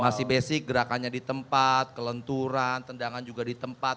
masih basic gerakannya di tempat kelenturan tendangan juga di tempat